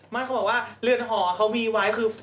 มากข้าบอกว่าเรือนหอเขามีวายคือ